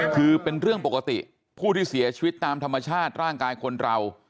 คือเป็นเรื่องปกติผู้ที่เสียชีวิตตามธรรมชาติร่างกายคนเรา